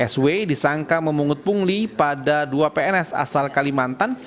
sw disangka memungut pungli pada dua pns asal kalimantan